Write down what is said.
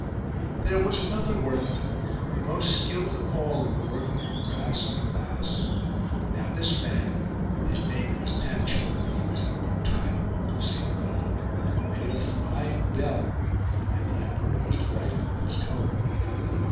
29. There was another workman, the most skilled of all in the working of brass and glass. Now this man (his name was Tancho and he was at one time a monk of St Gall) made a fine bell and the emperor was delighted with its tone.